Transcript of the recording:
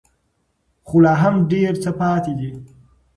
خو لا هم ډېر څه پاتې دي.